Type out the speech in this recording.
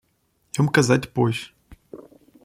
Eu me casei depois.